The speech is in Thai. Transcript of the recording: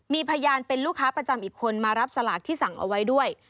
มีพยานเป็นลูกค้าประจำอีกคนมารับสลากที่สั่งเอาไว้ด้วย